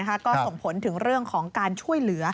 ก็ส่งผลถึงเรื่องของการช่วยเหลือ